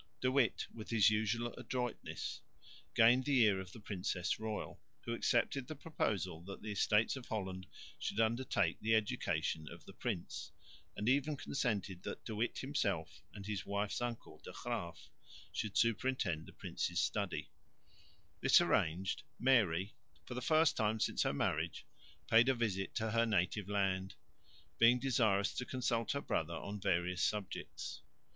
De Witt, with his usual adroitness, gained the ear of the princess royal, who accepted the proposal that the Estates of Holland should undertake the education of the prince, and even consented that De Witt himself and his wife's uncle, De Graef, should superintend the prince's studies. This arranged, Mary, for the first time since her marriage, paid a visit to her native land, being desirous to consult her brother on various subjects.